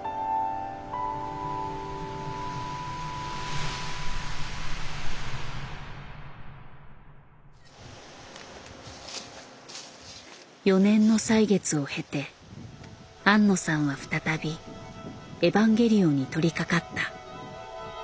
うん４年の歳月を経て庵野さんは再び「エヴァンゲリオン」に取りかかった。